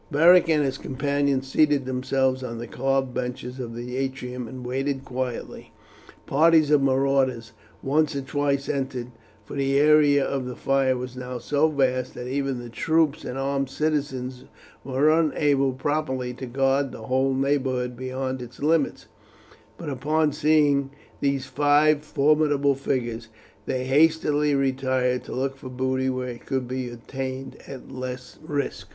Beric and his companions seated themselves on the carved benches of the atrium and waited quietly. Parties of marauders once or twice entered, for the area of the fire was now so vast that even the troops and armed citizens were unable properly to guard the whole neighbourhood beyond its limits; but upon seeing these five formidable figures they hastily retired, to look for booty where it could be obtained at less risk.